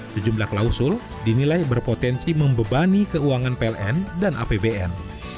sejumlah klausul dinilai berpotensi membebani keuangan pln dan apbn